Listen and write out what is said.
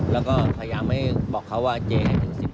แล้วก็พยายามไม่บอกเขาว่าเจ๑๕